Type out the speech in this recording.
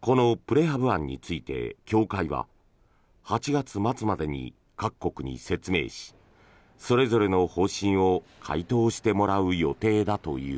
このプレハブ案について協会は８月末までに各国に説明し、それぞれの方針を回答してもらう予定だという。